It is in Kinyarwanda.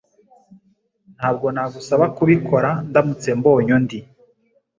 Ntabwo nagusaba kubikora ndamutse mbonye undi.